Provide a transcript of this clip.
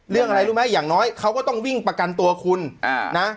เรื่องอะไรรู้ไหมอย่างน้อยเขาก็ต้องวิ่งประกันตัวคุณนะ